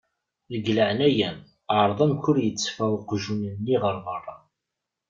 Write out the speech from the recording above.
Deg leεnaya-m εreḍ amek ur iteffeɣ uqjun-nni ɣer berra.